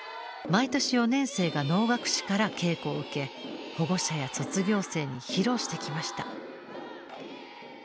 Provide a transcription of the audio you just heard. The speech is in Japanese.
毎年４年生が能楽師から稽古を受け保護者や卒業生に披露してきました。